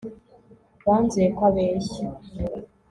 Banzuye ko abeshya